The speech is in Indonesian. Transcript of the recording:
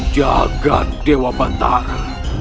jagat dewa batara